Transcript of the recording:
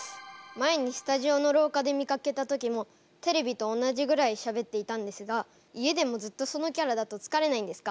前にスタジオの廊下で見かけた時もテレビと同じぐらいしゃべっていたんですが家でもずっとそのキャラだと疲れないんですか？